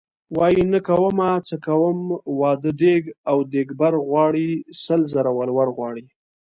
وايي نه کومه څه کوم واده دیګ او دیګبر غواړي سل زره ولور غواړي .